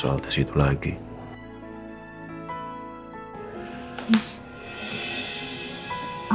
lu l kabar dapat melakukan obat meski enjoykannya khusus di situ ya